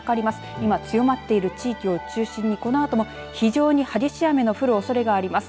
今、強まっている地域を中心にこのあとも非常に激しい雨が降るおそれがあります。